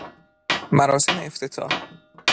مراسم افتتاح